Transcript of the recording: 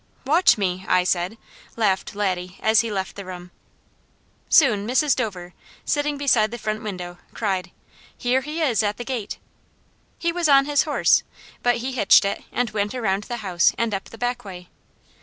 "Watch me, I said," laughed Laddie as he left the room. Soon Mrs. Dover, sitting beside the front window, cried: "Here he is at the gate!" He was on his horse, but he hitched it and went around the house and up the back way.